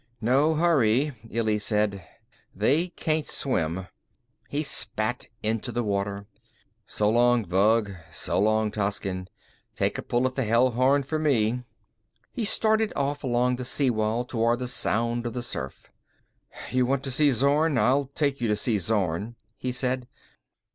"No hurry," Illy said. "They can't swim." He spat into the water. "So long, Vug. So long, Toscin. Take a pull, at the Hell Horn for me." He started off along the sea wall toward the sound of the surf. "You want to see Zorn, I'll take you to see Zorn," he said.